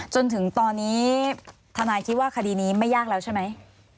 จนถึงตอนนี้ทนายคิดว่าคดีนี้ไม่ยากแล้วใช่ไหม